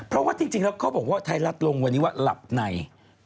เพราะว่าจริงแล้วเขาบอกว่าไทยรัฐลงวันนี้ว่าหลับใน